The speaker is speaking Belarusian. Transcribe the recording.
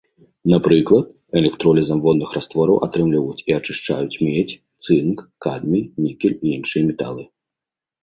Напрыклад, электролізам водных раствораў атрымліваюць і ачышчаюць медзь, цынк, кадмій, нікель і іншыя металы.